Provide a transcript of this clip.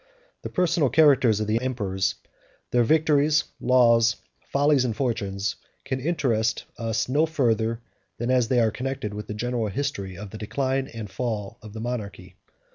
The personal characters of the emperors, their victories, laws, follies, and fortunes, can interest us no farther than as they are connected with the general history of the Decline and Fall of the monarchy.